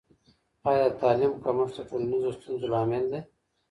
آیا د تعلیم کمښت د ټولنیزو ستونزو لامل دی؟